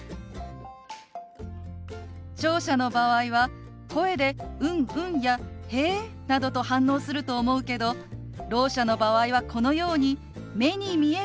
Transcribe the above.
聴者の場合は声で「うんうん」や「へえ」などと反応すると思うけどろう者の場合はこのように目に見える意思表示をすることが大切なのよ。